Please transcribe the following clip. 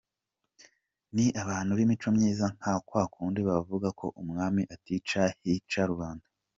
Ni abantu b’imico myiza nka kwakundi bavuga ko umwami atica hica rubanda.